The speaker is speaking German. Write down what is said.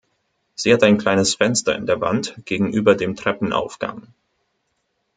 Sie hat ein kleines Fenster in der Wand gegenüber dem Treppenaufgang.